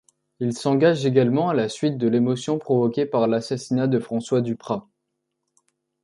Il s'engage également à la suite de l'émotion provoquée par l'assassinat de François Duprat.